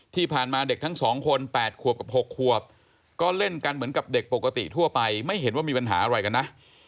ที่ผ่านมาเด็กทั้ง๒คน๘ขวบกับ๖ขวบก็เล่นกันเหมือนกับเด็กปกติทั่วไปไม่เห็นว่ามีปัญหาอะไรกันนะ